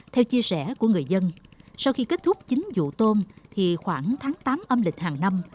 theo chia sẻ của người dân sau khi kết thúc chín vụ tôm thì khoảng tháng tám âm lịch hàng năm